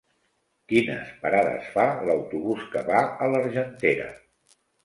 Quines parades fa l'autobús que va a l'Argentera?